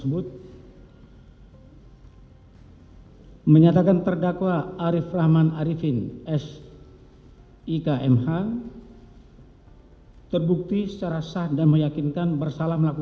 yungto pasal lima puluh lima ets satu kesatu